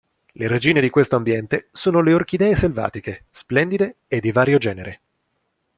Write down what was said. Le regine di questo ambiente sono le orchidee selvatiche, splendide e di vario genere.